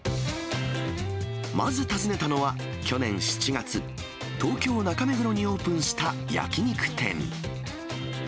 まず訪ねたのは、去年７月、東京・中目黒にオープンした焼き肉店。